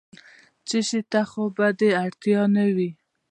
څه شي ته خو به دې اړتیا نه وي؟